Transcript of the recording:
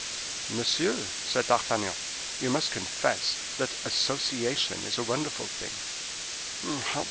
"Monsieur," said D'Artagnan, "you must confess that association is a wonderful thing."